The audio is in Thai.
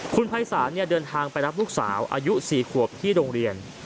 คุณภัยศาลเดินทางไปรับลูกสาวอายุ๔ขวบที่โรงเรียน